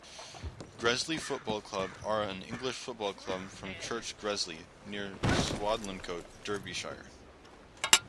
Gresley Football Club are an English football club from Church Gresley, near Swadlincote, Derbyshire.